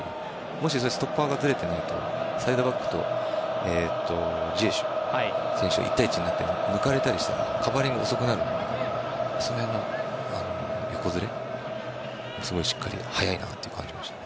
もしストッパーが出るとなるとサイドバックとジエシュ選手が１対１になって抜かれたりしたらカバーリングが遅くなるのでその辺の横ずれがすごいしっかり、速いなって感じがしましたね。